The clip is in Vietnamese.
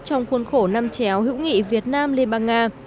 trong khuôn khổ năm chéo hữu nghị việt nam liên bang nga